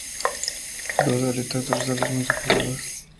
Dos aletas dorsales muy separadas.